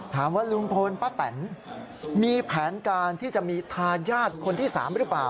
ถามว่าลุงพลป้าแตนมีแผนการที่จะมีทายาทคนที่๓หรือเปล่า